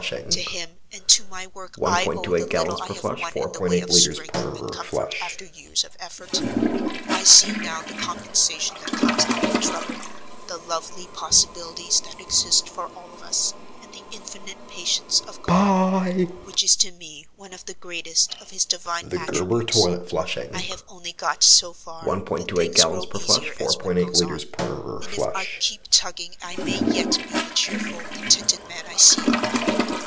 To him, and to my work I owe the little I have won in the way of strength and comfort after years of effort. I see now the compensation that comes out of trouble, the lovely possibilities that exist for all of us, and the infinite patience of God, which is to me one of the greatest of His divine attributes. I have only got so far, but things grow easier as one goes on; and if I keep tugging I may yet be the cheerful, contented man I seem.